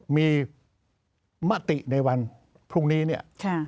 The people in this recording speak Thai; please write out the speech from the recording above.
มีมะติในวันพรุ่งนี้